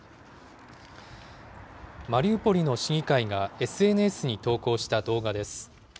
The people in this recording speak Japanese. マリウポリの市議会が、ＳＮＳに投稿した動画です。